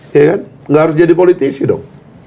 ya kan nggak harus jadi politisi dong